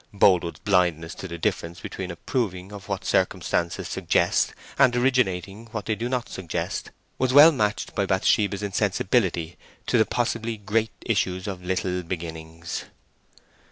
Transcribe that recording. Boldwood's blindness to the difference between approving of what circumstances suggest, and originating what they do not suggest, was well matched by Bathsheba's insensibility to the possibly great issues of little beginnings.